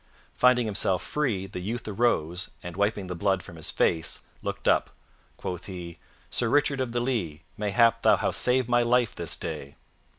Finding himself free, the youth arose and, wiping the blood from his face, looked up. Quoth he, "Sir Richard of the Lea, mayhap thou hast saved my life this day."